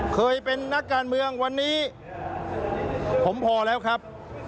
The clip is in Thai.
เคยเป็นนักการเมืองวันนี้ผมพอแล้วครับ